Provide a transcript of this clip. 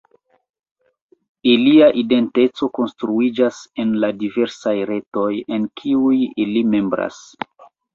Ilia identeco konstruiĝas en la diversaj retoj en kiuj ili membras.